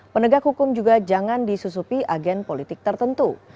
penegak hukum juga jangan disusupi agen politik tertentu